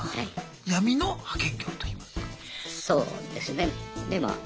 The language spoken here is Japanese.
闇の派遣業といいますか。